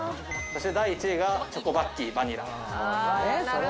そして第１位がチョコバッキーバニラ。